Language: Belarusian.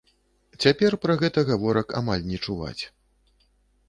Цяпер пра гэта гаворак амаль не чуваць.